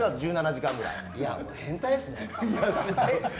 いや変態ですね。